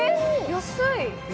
安い！